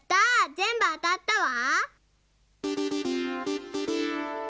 ぜんぶあたったわ。